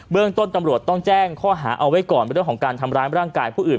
เรื่องต้นตำรวจต้องแจ้งข้อหาเอาไว้ก่อนเรื่องของการทำร้ายร่างกายผู้อื่น